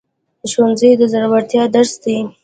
ښوونځی د زړورتیا درس دی